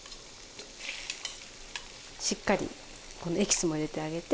しっかりこのエキスも入れてあげて。